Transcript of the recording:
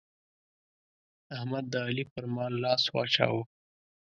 احمد د علي پر مال لاس واچاوو.